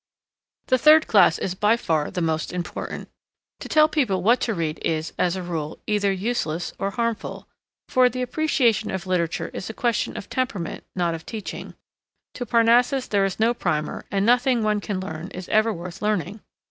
The third class is by far the most important. To tell people what to read is, as a rule, either useless or harmful; for, the appreciation of literature is a question of temperament not of teaching; to Parnassus there is no primer and nothing that one can learn is ever worth learning.